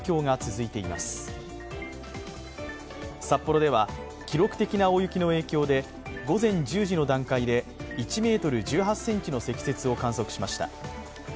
札幌では記録的な大雪の影響で、午前１０時の段階で１ｍ１８ｃｍの積雪を観測しました。